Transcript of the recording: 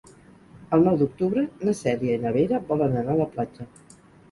El nou d'octubre na Cèlia i na Vera volen anar a la platja.